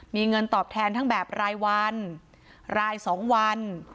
มีเงินตอบแทนทั้งแบบรายวันราย๒วัน